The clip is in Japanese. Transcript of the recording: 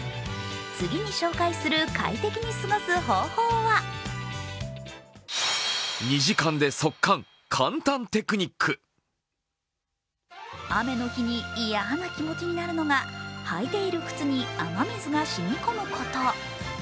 次に紹介する快適に過ごす方法は雨の日に嫌な気持ちになるのが履いている靴に雨水が染み込むこと。